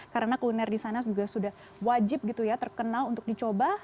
karena kuliner di sana juga sudah wajib gitu ya terkenal untuk dicoba